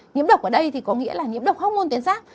nhiễm độc ở đây thì có nghĩa là nhiễm độc hốc môn tuyến giáp